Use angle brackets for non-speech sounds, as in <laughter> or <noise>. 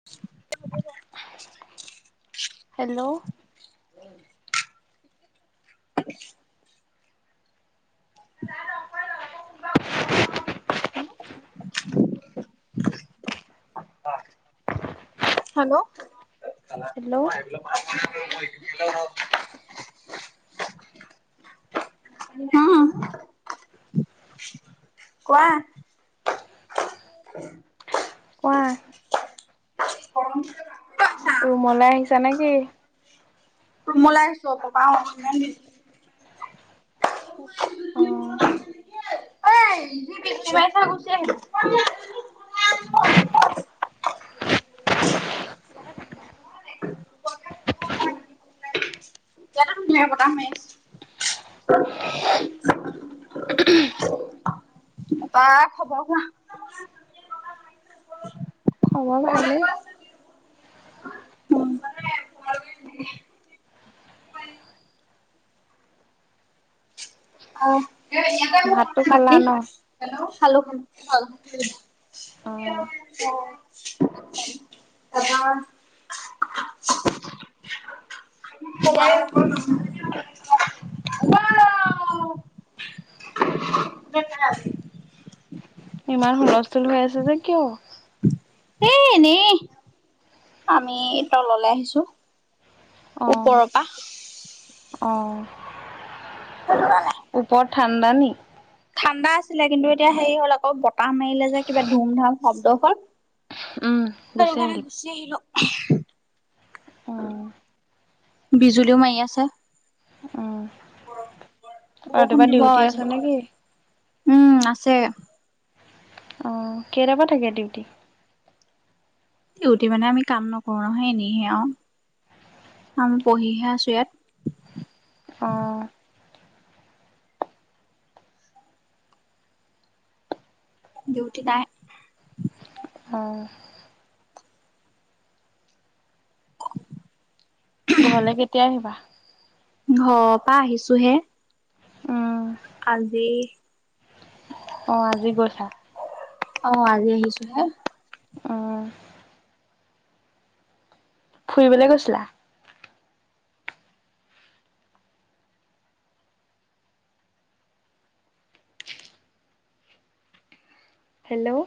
<inaudible> Hello hello hello <inaudible> উম কোৱা <inaudible> কোৱা ৰুমলে আহিছা নে কি? ৰোমলে আহিছোঁ নকবা অ ইমান দিন অ <inaudible> এতিয়াতে ধুনীয়াকে বতাহ মাৰি আছে তাপা খবৰ কোৱা? খবৰ ভালেই ভাতটো খালা বাকি ন? <inaudible> ধন্যবাদ অ <inaudible> ত <unintelligible> ইমান হুলস্থুল হৈ আছে যে কিয়? এ এনেই আমি তললে আহিছো। অঁ ওপৰৰ পৰা অঁ সেইটো কাৰণে। ওপৰত ঠাণ্ডা নি? ঠাণ্ডা আছিলে কিন্তু এতিয়া হেৰি হ'ল আকৌ বতাহ মাৰিলে যে, কিবা ধুম ধাম শব্দ হ'ল। উম গুচি আহিলো। যতি আহিলো' অঁ বিজুলীও মাই আছে। উম। বৰষুণ ৰাতিপুৱা তি দিব ডিউটি আজি আছে নেকি? উম আছে। অঁ, কেইটাৰ পা থাকে ডিউটি? দিউট মানে আমি কাম নকৰো নহয়, এনেইহে আও আমি পহিহে আছো ইয়াত। অঁ। ডিউটি নাই। অঁ। ঘলে কেতিয়া আহিবা? ঘৰ পা আহিছো হে। উম। আজি অঁ আজি গৈছা? অঁ আজি আহিছো হে। উম। ফুৰিবলে গৈছিলা? হেল্ল'ও